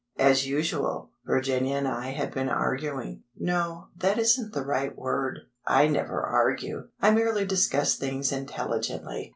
As usual, Virginia and I had been arguing—no, that isn't the right word; I never argue; I merely discuss things intelligently.